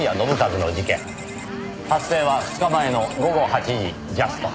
発生は２日前の午後８時ジャスト。